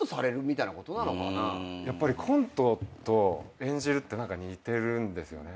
やっぱりコントと演じるって似てるんですよね。